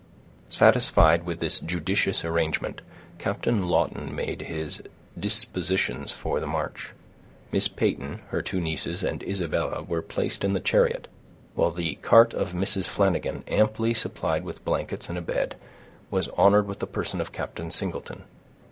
Satisfied with this judicious arrangement, Captain Lawton made his dispositions for the march. Miss Peyton, her two nieces, and Isabella were placed in the chariot, while the cart of Mrs. Flanagan, amply supplied with blankets and a bed, was honored with the person of Captain Singleton.